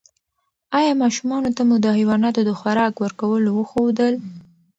ایا ماشومانو ته مو د حیواناتو د خوراک ورکولو وښودل؟